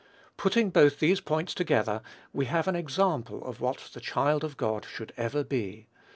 Putting both these points together, we have an example of what the child of God should ever be.